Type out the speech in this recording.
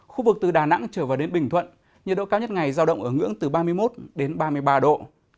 khu vực từ đà nẵng trở vào đến bình thuận nhiệt độ cao nhất ngày giao động ở ngưỡng từ ba mươi một đến ba mươi ba độ